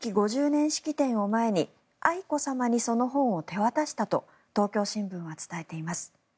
５０年式典を前に愛子さまにその本を手渡したと東京新聞は伝えています。